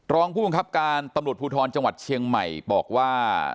รองผู้คับการธรรมดพุทธรจังหวัดเชียงใหม่บอกว่า